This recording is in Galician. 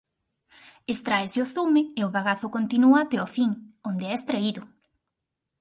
Extráese o zume e o bagazo continúa até o fin onde é extraído.